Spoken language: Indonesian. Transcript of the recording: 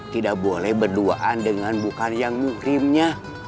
tidak boleh berduaan dengan bukan yang mukrimnya